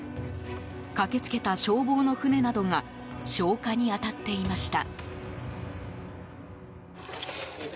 駆け付けた消防の船などが消火に当たっていました。